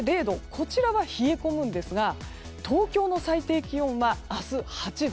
こちらは冷え込むんですが東京の最低気温は明日８度。